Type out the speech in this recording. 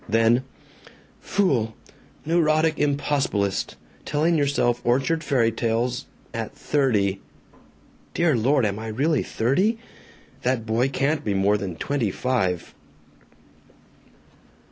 Then: "Fool! Neurotic impossibilist! Telling yourself orchard fairy tales at thirty. ... Dear Lord, am I really THIRTY? That boy can't be more than twenty five."